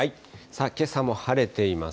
けさも晴れています。